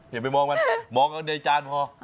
อย่าไปมองมันมองกันในจานพอ